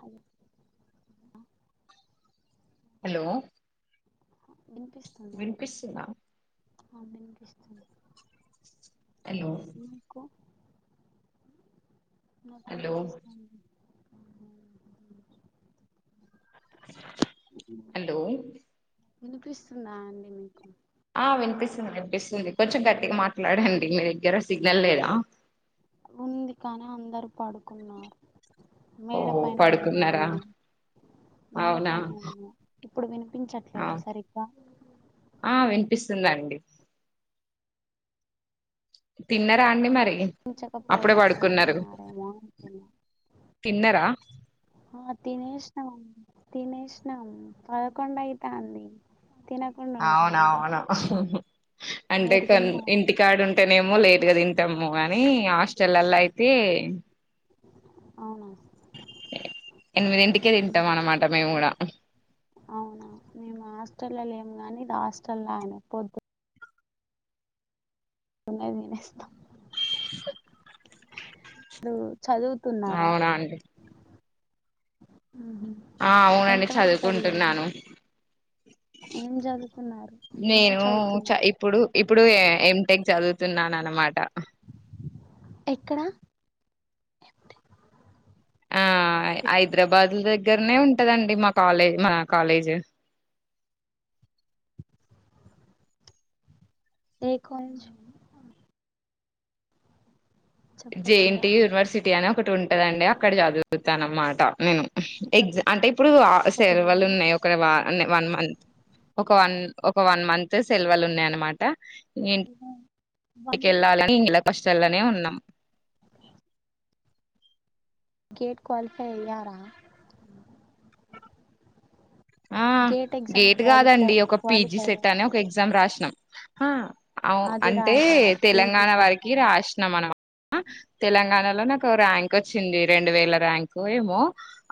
Hello hello వినిపిస్తుందా వినిపిస్తుందా ఆ వినిపిస్తుంది హలో మీకు నాకు హలో వినిపిస్తుంది హలో వినిపిస్తుందా అండి మీకు ఆ వినిపిస్తుంది వినిపిస్తుంది కొంచెం గట్టిగా మాట్లాడండి మీ దగ్గర సిగ్నల్ లేదా ఉంది కానీ అందరు పడుకున్నారు ఓ మేడ పైన ఉన్నా పడుకున్నారా నేను మేడ అవునా పైన ఇప్పుడు ఆ వినిపించట్లేద సరిగ్గా పిస్తుందండి తిన్నార అండి మరి చకపోవడం అప్పుడే పడుకున్నారు మాట్లాడమన్నారేమో అమ రా తినేసం తినేసం పదకొం అయితా అంది అవునవును అంటే మీరు కొ తిన్నారా ఇంటికాడు ఉంటే నేమో లేట్ గా తింటాము కానీ హాస్టల్లా అయితే అవునా ఎనిమిదింటికే తింటాం అన్నమాట మేము కూడా హాస్టలో ఏం కానీ ఇది హాస్టల్ అన పొద్దు న్నానేస్ చదువుతున్నారా అవునా అండి ఆ అవునండి ఎంత వరకు చదివారు చదువుకుంటున్నాను ఏం చదువుతున్నారు ఏం నేను చ చదువుతున్నారు ఇప్పుడు ఇప్పుడు ఎ టెక్ చదువుతున్నాన అనమాట ఎక్కడ ఆ హైదరాబాద్ దగ్గరనే ఉంటదండి మా కాలేజ్ మన కాలేజీ లే కొజ చెప్పకూడదా జేఎన్టి యూనివర్సిటీ అని ఒకటి ఉంటదండి అక్కడ చదువుతుంది న అన్నమాట నేను ఎగజా అంటే ఇప్పుడు చెప్పకూడదు సెలవలు ఉన్నాయి ఒక వన్ మంత్ ఒక వన్ ఒక వన్ మంత్ సెల్వలు ఉన్నాయ అనమాట కదా కి వాళ్ళు వెళ్ళాల కష్టల్లోనే ఉన్నాం గెట్ కు్వాలిఫై అయ్యారా ఆ ఎగ్జామ్ గేట్ క్వాలిఫై కాదండి ఒక పీజి క్వాలిఫై సెట్ అని ఒక ఎగ్జామ్ రాసినం అ అది అంటే రాసారా పీజీ తెలంగాణ సెట్ వారికి రాసినాం అన తెలంగాణ నాకు ర్యాంక్ వచ్చింది రెండు వేల ర్యాంకు ఏమో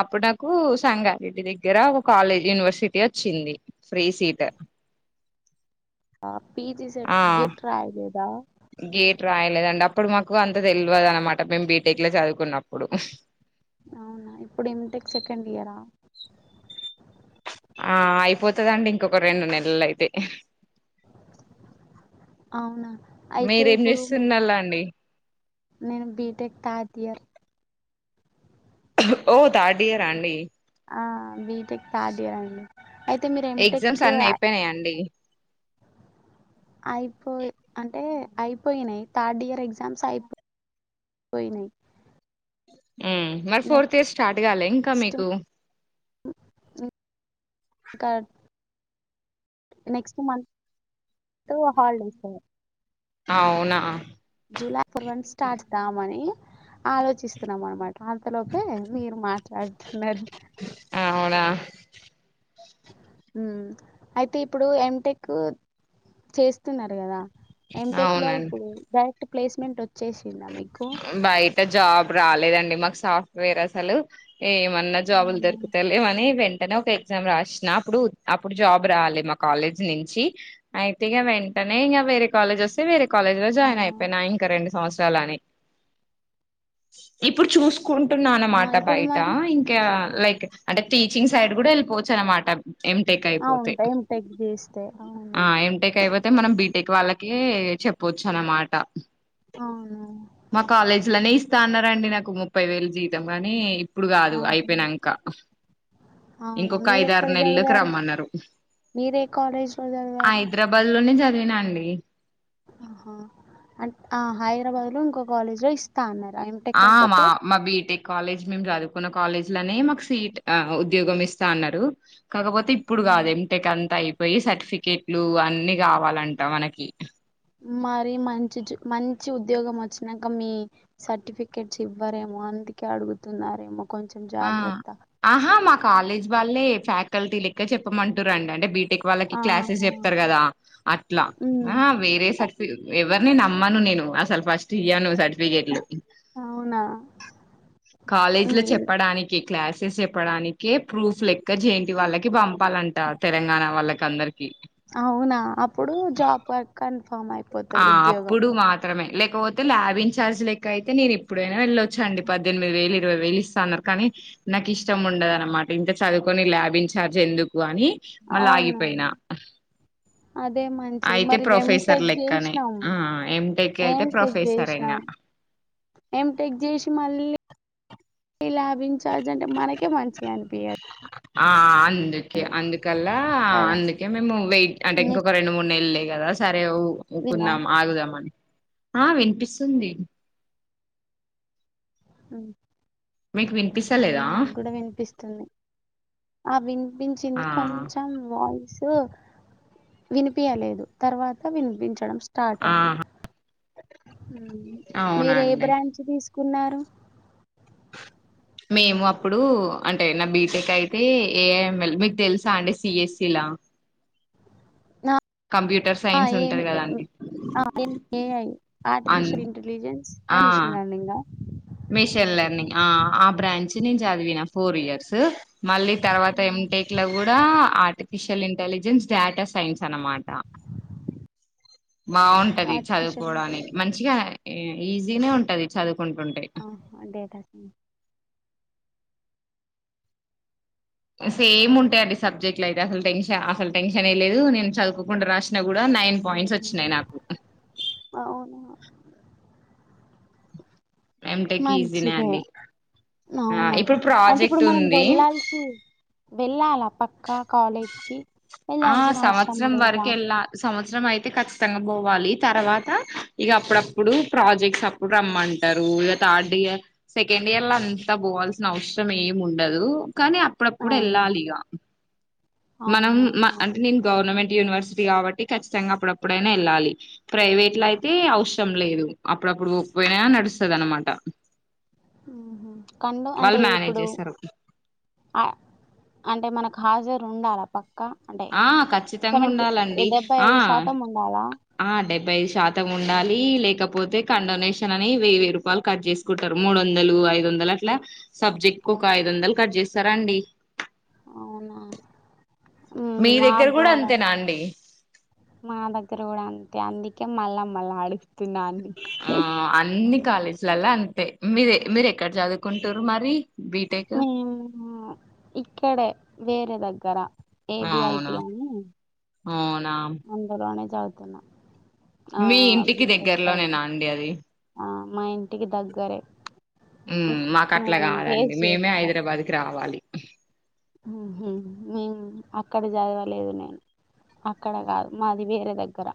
అప్పుడు నాకు సంగారెడ్డి దగ్గర కాలేజ్ యూనివర్సిటీ వచ్చింది ఫ్రీ సీట్ పిజి సెట్ ఆ గెట రాయిదిదా గేట్ రాయలేదండి అప్పుడు మాకు అంత తెలియవదు అనమాట మేము బీటెక్ లో చదువుకున్నప్పుడు అవునా ఇప్పుడు ఎమిటెక్ సెకండ్ ఇయరా ఆ అయిపోతుదండి ఇంకొక రెండు నెలలు అయితే అవునా అయితే మీరేం ఇప్పుడు మీరు చేస్తున్నళ్ళండి నేను బీటెక్ తాతయర్ ఓ దాటి రాణ ఆ బీటెక్ థర్డ్ ఇయర్ అండి అయితే మీరు ఎటెక్ ఎగ్జామ్స్ అన్ని అయిపోయినాయా అండి అయిపోయి అంటే అయిపోయినాయి్ థర్డ్ ఇయర్ ఎగ్జామ్స్ అయిపో కోయి న మరి ఫోర్త్ ఇయస్ స్టార్ట్ కాలి ఇంకా మీకు ఇ కార్ట్ నెక్స్ట్ మంతంత్ హాలిడేస్ అ ఉ జూలై ఫర్ వన్ స్టార్ట్ దామని ఆలోచిస్తున్నాం అనమాట పాతలోపే మీరు మాట్లాడుతున్నారు అవునా అయితే ఇప్పుడు ఎటెక్ చేస్తున్నారు కదా ఎటెక్ లో అవునండి ఇప్పుడు డైరెక్ట్ ప్లేస్మెంట్ వచ్చేసిందా మీకు బయట జాబ్ రాలేదండి మాకు సాఫ్ట్వేర్ అసలు ఏమన్నా జాబులు అవునవును దొరుకుత లేమని అంట ఒక ఎగ్జామ్ రాసిన అప్పుడు అప్పుడు జాబ్ రాలి మా కాలేజ్ నుంచి అయితేగా వెంట నే వర కాలజ వస్తే వేర కాలేజ్ లో ఆ జాయిన్ అయిపోయినా ఇంకా రెండు సంవత్సరలుని ఇప్పుడు చూ కుంటున్నా ఆ, అనమాట ఇప్పుడు బయట మరి ఇంకా లైక్ అంటే టీచింగ్ సైడ్ కూడా వెళ్ళిపోవచ్చు అనమాట ఎటెక్ ఆ అయిపోతే ఉంటాయి టెక్ చేస్తే అవును ఎ టెక్ అయిపోతే మనం బీటెక్ వాళ్ళకి ఏ చెప్పొచ్చు అన్నమాట అవును మా కాలేజీ లోనే ఇస్తా అన్నారండి నాకు ముప్పై వేలు జీవితం ని ఇప్పుడు కాదు ఆహా అయిపోయినాక అవునా ఇంకొక ఐదారు మీరెక్కడ నెలకి చదివారు రమ్మన్నారు మీరే కాలేజ్ లో చదివారు హైదరాబాద్ లోనే చదివినాండి ఆహా అ ఆ హైదరాబాద్ లో ఇంకో కాలేజ్ లో ఇస్తా అన్నారు ఎంటెక్ ఉమ్. ఆ అయిపోతే మా బీటెక్ కాలేజ్ మేము చదువుకు న్న కాలేజ్ లోనే మాకు సీట్ ఆ ఉద్యోగం ఇస్తా అన్నారు కాకపోతే ఇప్పుడు ఉమ్. కాదు ఎంటటెక్ అంతా అయి వెయ్యి సర్టిఫికేట్లు అన్ని కావాలంట మనకి మరి మంచి మంచి ఉద్యోగం వచ్చినాక మీ సర్టిఫికెట్స్ ఇవ్వరేమో అని ఇంటిక అడుగుతున్నారే ఆ ఆహా మా కాలేజ్ వాళ్ళే ఫ్యాకల్టీ లెక్క చెప్పమంటారురండి అంటే బీ వాళ్ళకి క్లాసెస్ ఆహా చెప్తారు కదా అట్ల ఉమ్ వేరే సర్టిఫికే ఎవర్ నేను నమ్మను నేను ఆసలు అస్ట్ ఇయ్యను సర్టిఫికేట్లు అవునా కాలేజ్ లో మీరు చెప్పడానికి క్లాసెస్ చెప్పడానికి ప్రూఫ్ లెక్క చేంటి వాళ్ళకి బం చెప్పాలంట తెలంగాణ వాళ్ళకి అందరికి అవునా అప్పుడు జాబ్ వక్ కన్ఫర్మ్ ఆ అయిపోతుది ఉద్యోగం అప్పుడు మాత్రమే లేకపోతే లాబ్ ఇన్ఛార్జ్లెక్క అయితేేను ఇప్పుడైనా వెళ్ళొచ్చ అండి పద్దెనిమిది వేలు ఇరవై వేలు ఇస్తాన్నారు కానీ నాకు ఇష్టం ఉండద అన్నమాట ఇంత చదువుకొని ల్యాబ్ ఇన్ఛార్జ్ ఎందుకు అని మళ్ళా అవును ఆగిపోయినా అదే మంచిది అయితే మరి ప్రొఫెసర్ ఎంటెక్ లెక్ చేసినాం ఆ ఎ టెక్ అయితే ప్రొఫెసర్ అయినా ఎ టెక్ చేసి మళ్ళీ లాభించార్జు అంటే మనకే మంచిగా అనిపించదు ఆ అందుకే అందుకల్లా కదా అందుకే మేము వెయిట్ అంటే మీరు ఇంకొక రెండు మూడు నెల కదా సరే వినా ఊకున్నాం ఆగుదామని ఆ వినిపిస్తుంది మీకు అ వినిపిస్తలేదా నాకు కూడా వినిపిస్తుంది ఆ వినిపించింది ఆ కొంచెం యి వినిపించలేదు తర్వాత వినిపించడం స్టార్ట్ ఆహ అయింది మీరు ఏ అవునండి బ్రాంచ్ తీసుకున్నారు మేము అప్పుడు అంటే నా బీటెక్ అయితే ఏఐఎంఎల్ మీకు తెలుసా అంటే సిఎస్సి లా ఆ ఆ కంప్యూటర్ సైన్స్ ఉంటంది కదండి ఏఐ అన్ ఆర్టిఫిషియల్ ఇంటెలిజెన్స్ అని మిషన్ లర్నింగ్ మిషల్ లెర్నింగ్ ఆ ఆ బ్రాంచ్ నేను చదివినా ఫోర్ ఇయర్స్ మళ్ళీ తర్వాత ఎ టెక్ లో కూడా ఆర్టిఫిషియల్ ఇంటెలిజెన్స్ డేటా సైన్స్ అనమాట బాగుంటది ఆర్టిఫిషియల్ చదువుకోవడం అనికి ఇంటెలిజెన్స్ మంచిగా ఈజీనే ఉంటది చదువు ఆ త సేమ్ ఉంటాయి అండి సబ్జెక్ట్ అయితే అసలు టెన్షన్ అసలు టెన్షన్ ఏ లేదు నేను చదువుకోకుండా రాసిన కూడా నైన్ పాయింట్స్ వచ్చినాయి నాకు అవునా ఏటకి ఈజీనే మంచిదే అండి ఆ అవునా ఇప్పుడు అంటే ప్రాజెక్ట్ ఇప్పుడు మనం ఉంది వెళ్ళాల్సి వెళ్ళాలా పక్కా కాలేజ్కి వెళ్లాల్సిన అవసరం లేదా సంవసరం అయితే ఖచ్చితంగా పోవాలి తర్వాత ఇక అప్పుడప్పుడు ప్రాజెక్ట్స్ అప్పుడు రమ్మంటారు పోగా థర్డ్ ఇయర్ సెకండ్ ఇయర్ లో అంతా పోవాల్సిన అవసరం ఏమి ఉండదు కానీ అప్పుడప్పుడు అవును వెళ్ళాలిగా మనం అవునా అంటే అవును నేను గవర్నమెంట్ యూనివర్సిటీ కాబట్టి ఖచ్చితంగా అప్పుడప్పుడైనా వెళ్ళాలి ప్రైవేట్ లో అయితే అవసరం లేదు అప్పుడప్పుడుపోయినా నడుస్తుంది అనమాట ఉహు కన్ను అంటే ఇప్పుడు చేస్తారు. అ అంటే మనక్ హాజరు ఉండాలా పక్కా, అంటే ఆ! ఖచ్చితంగా సెవెంటీ ఉండాలండి. డెబ్బై ఆ! ఐదు శాతం ఉండాలా? ఆ డెబ్బై ఐదు శాతం ఉన్ ఉండాలి లేకపోతే కండొనేషన్ అని వెయ్యి వెయ్యిూరూపాలు కట్ చేసుకుంటారు మూడు వందలు ఐదు వందలు అట్లా సబ్జెక్ట్ కు ఒక ఐదు వందలు కట్ చేస్తారా అండి అవునా ఉమ్ మీ దగ్గర గూడా మగుడ అంతేనా అండి? మా దగ్గర కూడా అం తే అందుకే మళ్ళా మళ్ళా అడుగుతున్న అన్ని కాలేజీలాల్ల అంతే మీది మీరు ఎక్కడ చదువుకుంటురు మరి బీటేక్ మేము ఇక్కడే వేరే దగ్గర ఏ బి ఐ టి అని అవునా అందలోనే చదువుతున్నా ఆ మీ ఇంటికి బీటెక్ సైడ్ దగ్గరలోనేనా అండి అది ఆ మా ఇంటికి దగ్గరే ఉమ్ మాకు అట్లా మేము బేస్ కాదండి మేమే హైదరాబాద్కి రావాలి. ఉహు ఉ అక్కడ చదవలేదు నేను అక్కడ కాదు మాది వేరే దగ్గర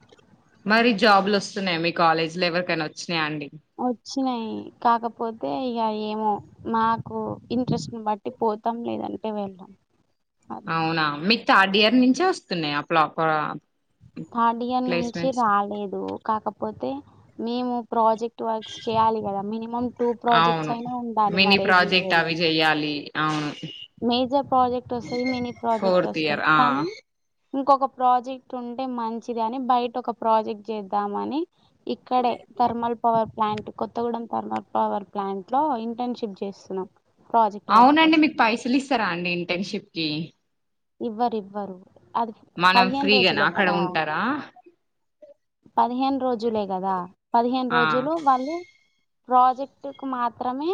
మరి జాబ్లు ఒస్తున్నాయ మీ కాలేజ్ లో ఎవరికైనా ఒచ్చినాయా అండి ఓచ్చినాయి కాకపోతే ఇగా ఏమో మాకు ఇంట్రెస్ట్ని బట్టి పో పోతాం లేదంటె వెళ్ళాం అది అవునా, మీకు థర్డ్ ఇయర్ నుంచే వస్తున్నాయ ఫ్లాప్ థర్డ్ ఇయర్ నుంచి రాలేదు కాకపోతే మేము ప్రాజెక్ట్ వర్క్స్ చేయాలి కదా, మినిమం టూ ప్రాజెక్ట్స్ అవును అయినా ఉండాలి మా మినీ ప్రాజెక్ట్ రేజివోలో అవి చెయ్యాలి అవును మేజర్ ప్రాజెక్ట్ ఒస్తాది మినీ ప్రాజెక్ట్ ఫోర్త్ ఒస్తాది ఇయర్ ఆ కానీ ఇంకొక ప్రాజెక్ట్ ఉంటే మంచిదనీ బయట ఒక ప్రాజెక్ట్ చేద్దామని ఇక్కడే thermal power plant Kothagudem thermal power plant లో ఇంటర్న్షిప్ చేస్తున్నాం ప్రాజెక్ట్ వర్క్ అవునండి కోసం మీకు పైసలు ఇస్తారా అండి ఇంటర్న్షిప్ కి ఇవ్వ ఇవ్వరు అది మనం పదిహేను ఫ్రీగానా రోజులే అక్కడ కదా ఉంటారా పదిహేను రోజులే కదా, పదిహేను ఆ రోజులు వాళ్ళు ప్రాజెక్టుకు మాత్రమే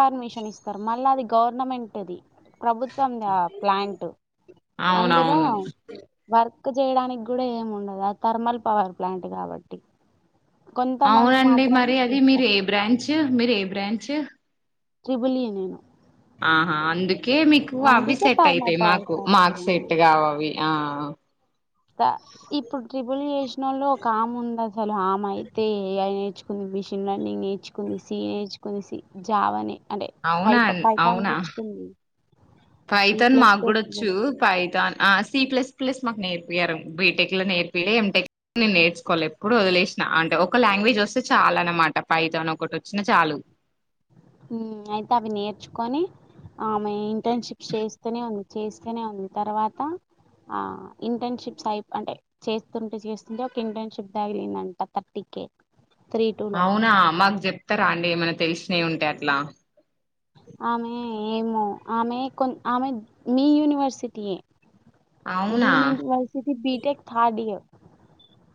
పర్మిషన్ ఇస్తారు, మళ్ళా అది గవర్నమెంటుది ప్రభుత్వంది ఆ ప్లాంట్ అందులో అవునవును వర్క్ ర్క్ చేయడానికి కూడా ఏమి ఉండదు ఆ థర్మల్ పవర్ ప్లాంట్ కాబట్టి కొంతమంది అవునండి మాత్రమే మరి అది మీరు చేస్తారు ఏ బ్రాంచ్ మీరు ఏ బ్రాంచ్ త్రిబులి నేను ఆహా అందుకే మీకు అవి అందుకే సెట్ అయితై థర్మల్ పవర్ మాకు ప్లాంట్ మాక్ సెట్ గా వవి ఆ కా ఇప్పుడు ట్రిబులి చేసి లో ఒక ఆమె ఉంది అసలు ఆమె అయితే ఏఐ నేర్చుకుంది మిషన్ రన్నింగ్ నేర్చుకుంది సీ నేర్చు కుల్సి జావని అంటే అవునా పైప ఫైథాన్ నేర్చుకుం పైతాన్ మాకు కూడా వచ్చు పైతాన్ ఆ సి ప్లస్ ప్లస్ మాకు నేర్ ర్పారు బీటెక్ లో నేర్పి ఎంటెక్లో నేను నేర్చుకోలే ఎప్పుడు వదిలేసినా అంటే ఒక లాంగ్వేజ్ ఒస్తే చా లన్నమాట పైథన్ ఒకటీ వచ్చిన చాలు ఉమ్ అయితే అవి నేర్చుకొని ఆమె ఇంటర్న్షిప్ చేస్తూనే ఉంది చేస్తానే ఉంది తర్వాత ఆ ఇంటర్న్షిప్స్ అయి అంటే చేస్తుంటే చేస్తుంటే ఒక ఇంటర్న్షిప్ తగిలిందంట థర్టీ కే త్రీ టూ లో అవునా మాకు చెప్తారా అండి ఏమైనా తెలిసినై ఉంటే అట్లా ఆమె ఏమో ఆమె కొం ఆమె మీ యూనివర్సిటీయే అవునా మీన్ ఇంటి వర్సిటీ బీటెక్ థార్డ్ ఇయర్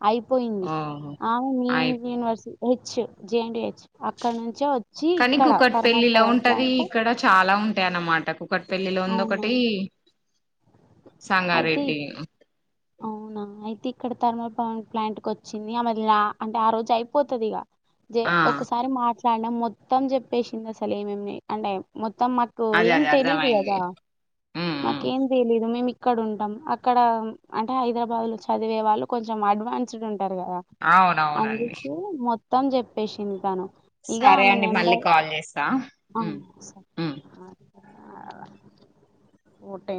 అయిపోయింది ఓహో ఆ మీ అయి యూనివర్సిటీ హెచ్ జిఎం హెచ్ అక్కడ నుంచే వచ్చి కానీ ఇక్కడ కుక్కట్ థర్మర్ పవర్ ప్లాంట్ అంటే అన్నమాట కుకట్ పెళ్లిలో ఉంది అవును ఒకటి అయితే సంగారెడ్డి అవునా అయితే ఇక్కడ థర్మల్ పవన్ ప్లాంట్ కు వచ్చింది ఆమెలా అంటే ఆ రోజు అయిపోతది ఇక జె ఆ ఒకసారి మాట్లాడిన మొత్తం చెప్పేసింది అసలు ఏమేమి అంటే మొ త్తం మాకు అదే ఏం అదే తెలీదు అర్థమయింది కదా ఉమ్, మాకు ఉమ్. ఏం తెలీదు మేము ఇ క్కడ ఉంటాం అక్కడ అంటే హైదరాబాద్ లో చదివే వాళ్ళు కొంచెం అడ్వాన్స్డ్ ఉం టారు కదా అవునవునండి అందుకే మొత్తం చెప్పేసింది తను ఇగా సరే ఆమె అండి మళ్ళీ నెంబర్ కాల్ చేస్తా ఆ ఉమ్, స ఉమ్. అ ఊట ఏ